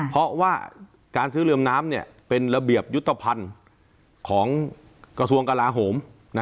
เพราะว่าการซื้อเรือมน้ำเป็นระเบียบยุทธภัณฑ์ของกระทรวงกลาโหม